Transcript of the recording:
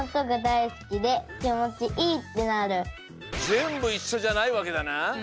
ぜんぶいっしょじゃないわけだな。